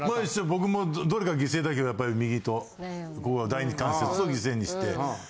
僕もどれか犠牲だけどやっぱり右と第二関節を犠牲にして。